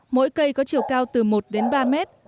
mỗi cây có chiều cao từ một đến ba mét